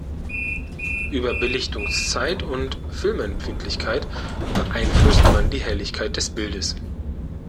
Über Belichtungszeit und Filmempfindlichkeit beeinflusst man die Helligkeit des Bildes.